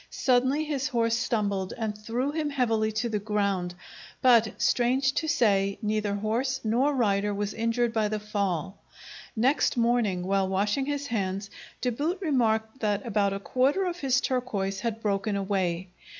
Suddenly his horse stumbled and threw him heavily to the ground, but, strange to say, neither horse nor rider was injured by the fall. Next morning, while washing his hands, De Boot remarked that about a quarter of his turquoise had broken away.